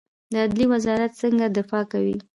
د عدلیې وزارت څنګه دفاع کوي؟